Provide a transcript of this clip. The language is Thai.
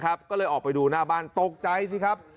ก็เลยออกไปดูหน้าบ้านตกใจสิครับ